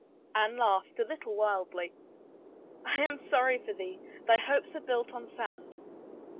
Anne laughed — a little wildly. " I am sorry for thee — thy hopes are built on sand."